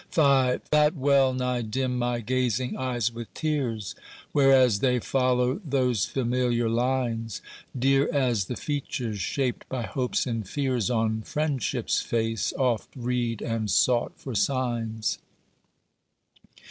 V That well nigh dim my gazing eyes with tears, Whereas they follow those familiar lines; Dear as the features shaped by hopes and fears On friendship's face, oft read and sought for signs.